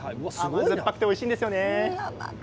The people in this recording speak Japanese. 甘くておいしいんですよね。